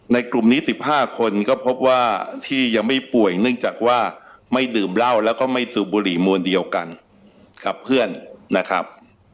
กลุ่มนี้๑๕คนก็พบว่าที่ยังไม่ป่วยเนื่องจากว่าไม่ดื่มเหล้าแล้วก็ไม่สูบบุหรี่มวลเดียวกันกับเพื่อนนะครับ